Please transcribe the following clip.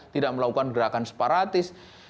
tidak melakukan gerakan separatis